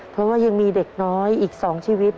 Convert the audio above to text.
เพราะว่ายังมีเด็กน้อยอีก๒ชีวิต